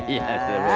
iya tuh be